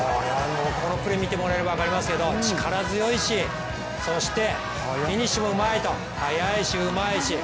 このプレーを見ていただいたら分かりますけど力強いですしそしてフィニッシュもうまいと速いしうまいし。